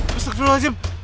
pusat terlalu jauh